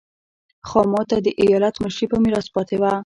خاما ته د ایالت مشري په میراث پاتې وه.